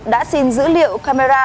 đã xin dữ liệu camera